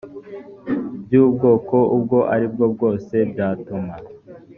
by ubwoko ubwo aribwo bwose byatuma